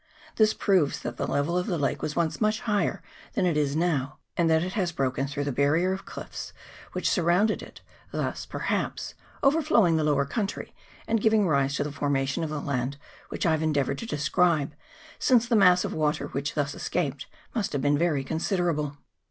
This proves that the level of the lake was once much higher than it now is, and that it has broken through the barrier of cliffs which sur rounded it, thus, perhaps, overflowing the lower country and giving rise to the formation of the 332 LAKE TAUPO. [PART II. land which I have endeavoured to describe, since the mass of water which thus escaped must have been very considerable.